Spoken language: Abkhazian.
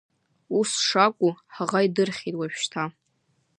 Ус шакәу ҳаӷа идырхьеит уажәшьҭа.